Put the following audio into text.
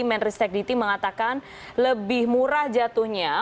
menristek diti mengatakan lebih murah jatuhnya